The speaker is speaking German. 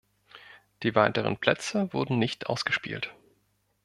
Die weiteren Plätze wurden nicht ausgespielt.